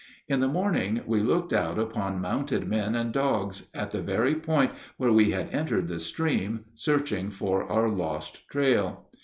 In the morning we looked out upon mounted men and dogs, at the very point where we had entered the stream, searching for our lost trail.